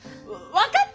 分かった！